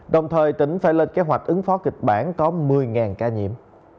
đồng thời tỉnh phải lên kế hoạch ứng phó kịch bản có một mươi ca nhiễm